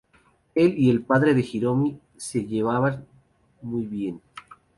Él y el padre de "Hiromi" se llevaban muy bien.